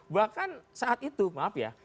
bahkan saat itu maaf ya